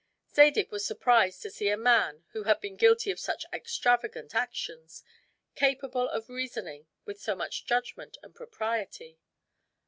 Zadig was surprised to see a man, who had been guilty of such extravagant actions, capable of reasoning with so much judgment and propriety.